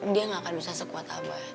dia gak akan bisa sekuat abai